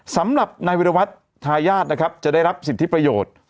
สำหรับนายวิทยวัฒน์ยาศจะได้รับสิทธิประโยชน์